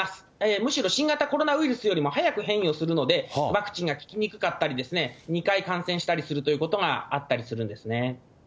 むしろ新型コロナウイルスよりも早く変異をするので、ワクチンが効きにくかったり、２回感染したりするということがあったりするんですね。